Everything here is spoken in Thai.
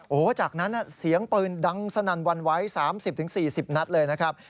โอ้โหจากนั้นเสียงปืนดังสนั่นวันไหว๓๐๔๐นัดเลยนะครับ